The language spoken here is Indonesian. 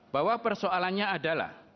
bahwa persoalannya adalah